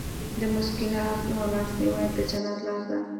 د مسکینانو لاسنیوی د جنت لاره ده.